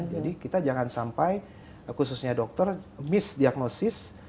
jadi kita jangan sampai khususnya dokter misdiagnosis